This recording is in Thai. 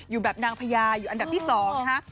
อยู่แบบนางพญาอยู่อันดับที่๒นะคะ